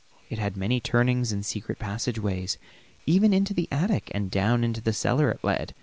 It had many turnings and secret passageways; even into the attic and down into the cellar it led.